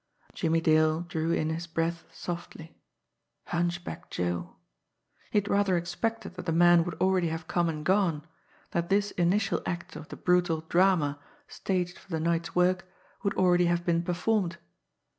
Jimmie Dale drew in his breath softly. Hunchback Joe! He had rather expected that the man would already have come and gone, that this initial act of the brutal drama staged for the night's work would already have been performed.